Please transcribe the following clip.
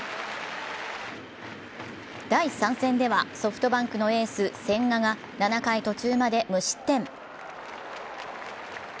第３戦ではソフトバンクのエース・千賀が７回途中まで無失点。